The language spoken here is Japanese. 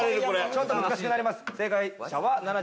ちょっと難しくなります。